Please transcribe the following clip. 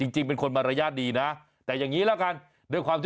จริงเป็นคนมารยาทดีนะแต่อย่างนี้แล้วกัน